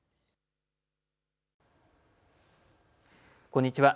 こんにちは。